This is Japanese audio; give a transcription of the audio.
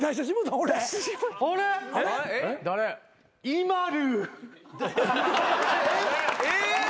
ＩＭＡＬＵ。